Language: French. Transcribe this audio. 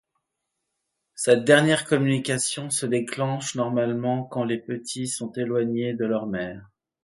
Cette dernière communication se déclenche normalement quand les petits sont éloignés de leur mère.